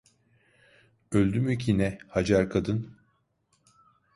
Öldü mü ki ne, Hacer kadın?